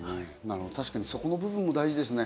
確かにそこの部分も大事ですね。